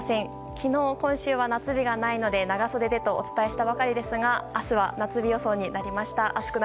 昨日、今週は夏日がないので長袖でとお伝えしたばかりですが明日は夏日予想になりました。